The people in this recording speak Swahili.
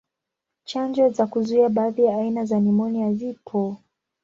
Chanjo za kuzuia baadhi ya aina za nimonia zipo.